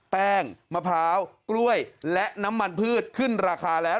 มะพร้าวกล้วยและน้ำมันพืชขึ้นราคาแล้ว